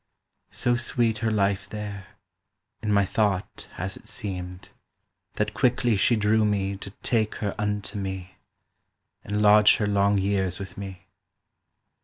So sweet her life there (in my thought has it seemed) That quickly she drew me To take her unto me, And lodge her long years with me.